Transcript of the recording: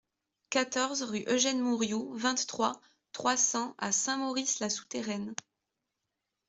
quatorze rue Eugène Mourioux, vingt-trois, trois cents à Saint-Maurice-la-Souterraine